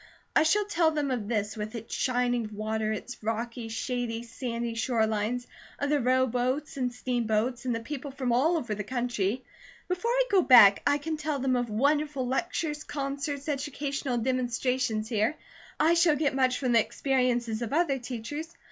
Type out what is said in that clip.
I shall tell them of this with its shining water, its rocky, shady, sandy shore lines; of the rowboats and steam boats, and the people from all over the country. Before I go back, I can tell them of wonderful lectures, concerts, educational demonstrations here. I shall get much from the experiences of other teachers.